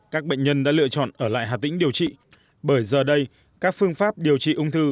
các bệnh nhân đã lựa chọn ở lại hà tĩnh điều trị bởi giờ đây các phương pháp điều trị ung thư